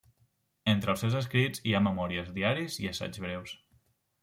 Entre els seus escrits hi ha memòries, diaris i assaigs breus.